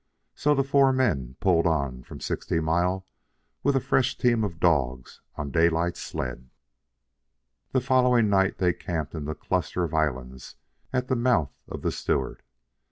So the four men pulled on from Sixty Mile with a fresh team of dogs on Daylight's sled. The following night they camped in the cluster of islands at the mouth of the Stewart.